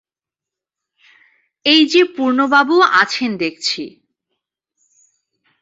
এই-যে পূর্ণবাবুও আছেন দেখছি!